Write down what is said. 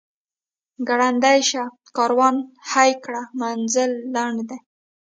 ګړندی شه کاروان هی کړه منزل لنډ دی.